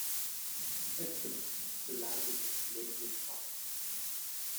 "Estimates' "The Language of Canadian Politics.